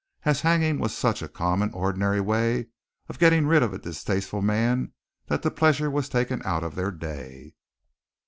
And hanging was such a common, ordinary way of getting rid of a distasteful man that the pleasure was taken out of their day.